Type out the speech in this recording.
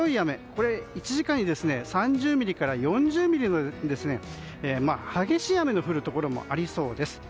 これは１時間に３０ミリから４０ミリの、激しい雨の降るところもありそうです。